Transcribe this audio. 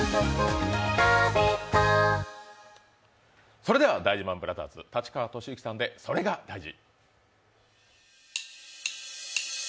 それでは大事ＭＡＮブラザーズ立川俊之さんで「それが大事」。